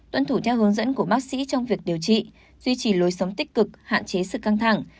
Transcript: tuân thủ theo hướng dẫn của bác sĩ trong việc điều trị duy trì lối sống tích cực hạn chế sự căng thẳng